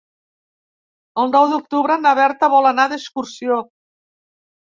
El nou d'octubre na Berta vol anar d'excursió.